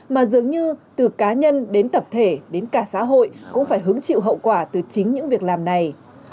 mà dường như từ cá nhân đến tập thể đến cả xã hội cũng phải hứng chịu hậu quả từ chính những việc làm này